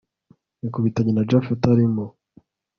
yakubitanye na japhet arimo